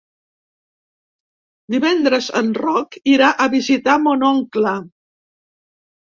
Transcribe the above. Divendres en Roc irà a visitar mon oncle.